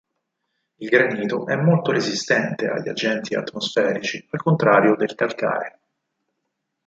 Il granito è molto resistente agli agenti atmosferici, al contrario del calcare.